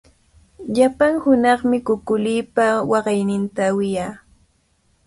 Llapan hunaqmi kukulipa waqayninta wiyaa.